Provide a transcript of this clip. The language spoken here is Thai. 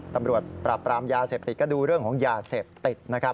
ตำรวจปราบปรามยาเสพติดก็ดูเรื่องของยาเสพติดนะครับ